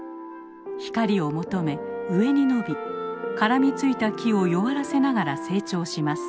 光を求め上に伸び絡みついた木を弱らせながら成長します。